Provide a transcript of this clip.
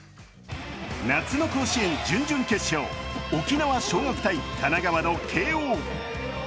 夏の甲子園、準々決勝、沖縄尚学対神奈川の慶応。